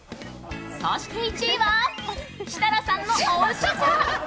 そして１位は設楽さんのおうし座！